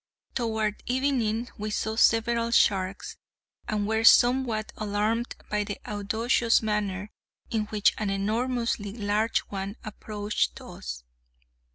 Toward evening we saw several sharks, and were somewhat alarmed by the audacious manner in which an enormously large one approached us.